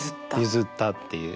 譲ったっていう。